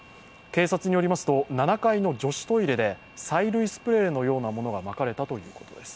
警察によりますと、７階の女子トイレで催涙スプレーのようなものがまかれたということです。